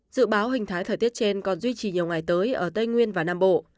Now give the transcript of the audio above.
dự báo hình thái thời tiết trên còn duy trì nhiều ngày tới ở tây nguyên và nam bộ